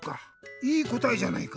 いいこたえじゃないか。